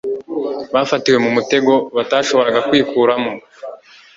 bafatiwe mu mutego batashoboraga kwikuramo;